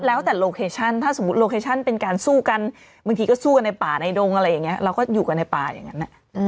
แล้วแต่โลเคชั่นถ้าสมมุติโลเคชั่นเป็นการสู้กันบางทีก็สู้กันในป่าในดงอะไรอย่างนี้เราก็อยู่กันในป่าอย่างนั้น